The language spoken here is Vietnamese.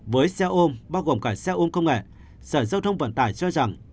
với xe ôm bao gồm cả xe ôm không ngại sở giao thông vận tải cho rằng